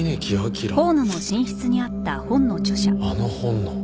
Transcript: あの本の。